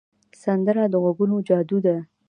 سندره د غږونو جادو ده